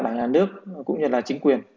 đảng nhà nước cũng như chính quyền